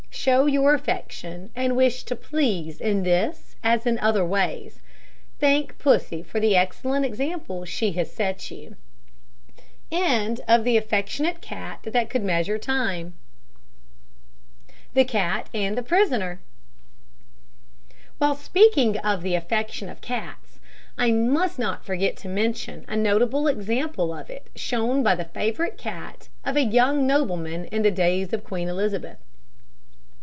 Show your affection and wish to please in this as in other ways. Thank Pussy for the excellent example she has set you. THE CAT AND THE PRISONER. While speaking of the affection of cats, I must not forget to mention a notable example of it shown by the favourite cat of a young nobleman in the days of Queen Elizabeth.